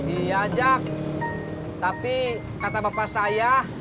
iya jak tapi kata bapak saya